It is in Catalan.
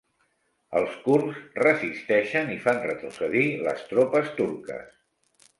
Els kurds resisteixen i fan retrocedir les tropes turques